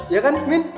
ya kan min